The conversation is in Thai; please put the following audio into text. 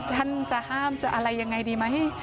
ท่านจะห้ามจะอะไรยังไงดีไหม